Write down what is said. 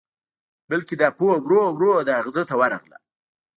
بلکې دا پوهه ورو ورو د هغه زړه ته ورغله.